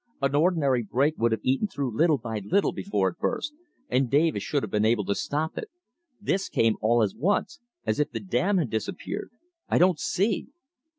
An ordinary break would have eaten through little by little before it burst, and Davis should have been able to stop it. This came all at once, as if the dam had disappeared. I don't see."